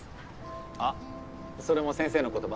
あそれも先生の言葉？